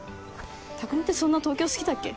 匠ってそんな東京好きだっけ？